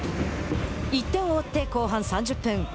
１点を追って後半３０分。